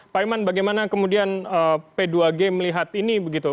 pak iman bagaimana kemudian p dua g melihat ini begitu